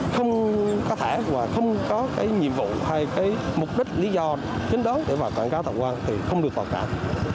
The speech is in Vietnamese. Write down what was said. không có thẻ và không có cái nhiệm vụ hay cái mục đích lý do chính đó để vào cảng cá thọ khoan thì không được vào cản